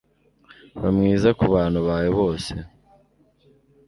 Ba mwiza kubantu bawe bose